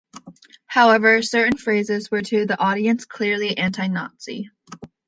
However, certain phrases were to the audience clearly anti-Nazi.